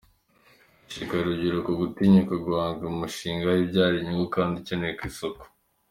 Ashishikarije urubyiruko gutinyuka guhanga imishinga ibyara inyungu kandi ikenewe ku isoko.